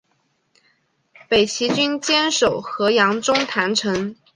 北齐军坚守河阳中潭城。